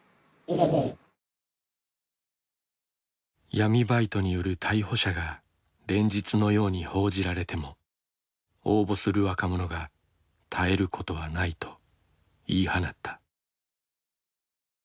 闇バイトによる逮捕者が連日のように報じられても応募する若者が絶えることはないと言い放った。